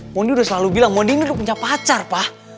mondi udah selalu bilang mondi ini udah punya pacar pak